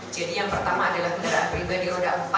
jadi yang pertama adalah kendaraan pribadi roda empat